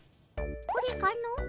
これかの？